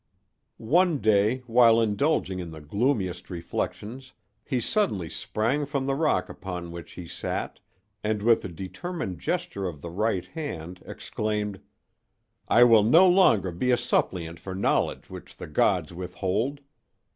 One day while indulging in the gloomiest reflections he suddenly sprang from the rock upon which he sat, and with a determined gesture of the right hand exclaimed: "I will no longer be a suppliant for knowledge which the gods withhold.